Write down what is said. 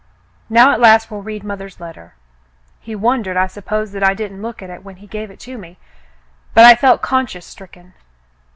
Now at last we'll read mother's letter. He wondered, I suppose, that I didn't look at it when he gave it to me, but I felt conscience stricken.